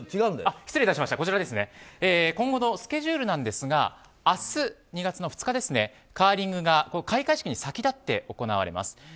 今後のスケジュールですが明日、２月の２日にカーリングが開会式に先立って行われます。